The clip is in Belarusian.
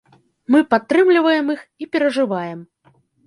Мы падтрымліваем іх і перажываем.